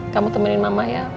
kamu temenin mama ya